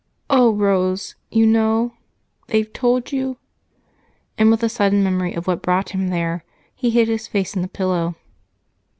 Oh, Rose! You know? They've told you?" And, with a sudden memory of what brought him there, he hid his face in the pillow.